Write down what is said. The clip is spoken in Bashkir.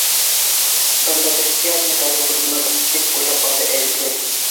—Бында присяжныйҙар урынылыр, —тип уйлап алды Әлисә.